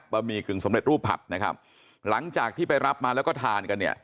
หมี่กึ่งสำเร็จรูปผัดนะครับหลังจากที่ไปรับมาแล้วก็ทานกันเนี่ย